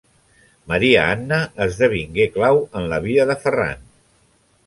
Maria Anna esdevingué clau en la vida de Ferran.